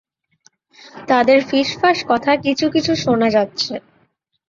তাদের ফিসফাস কথা কিছু-কিছু শোনা যাচ্ছে।